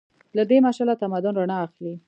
له دې مشعله تمدن رڼا اخلي.